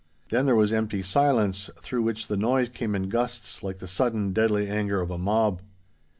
Then there was empty silence, through which the noise came in gusts like the sudden, deadly anger of a mob.